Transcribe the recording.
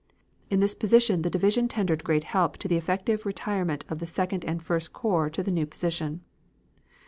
In this position the division tendered great help to the effective retirement of the Second and First Corps to the new position.